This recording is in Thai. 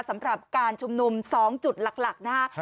สำหรับการชุมนุม๒จุดหลักนะฮะ